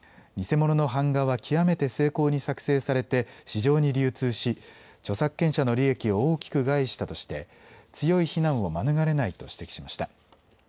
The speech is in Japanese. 偽物の版画は極めて精巧に作成されて市場に流通し著作権者の利益を大きく害したとして強い非難を免れないと指摘しました。